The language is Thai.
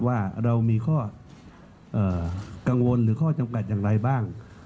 ว่าเรามีข้อกังวลหรือข้อจำกัดอย่างไรบ้าง